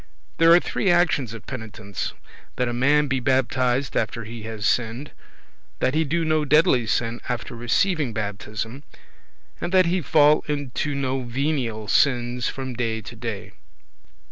There are three actions of penitence; that a man be baptized after he has sinned; that he do no deadly sin after receiving baptism; and that he fall into no venial sins from day to day.